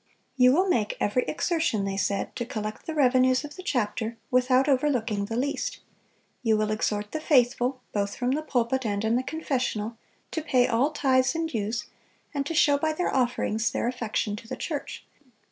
"You will make every exertion," they said, "to collect the revenues of the chapter, without overlooking the least. You will exhort the faithful, both from the pulpit and in the confessional, to pay all tithes and dues, and to show by their offerings their affection to the church.